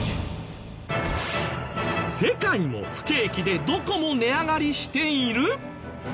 世界も不景気でどこも値上がりしている！？